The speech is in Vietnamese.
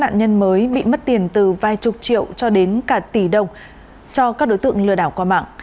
nạn nhân mới bị mất tiền từ vài chục triệu cho đến cả tỷ đồng cho các đối tượng lừa đảo qua mạng